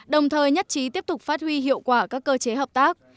đồng thời nhất trí tiếp tục phát huy hiệu quả các cơ chế hợp tác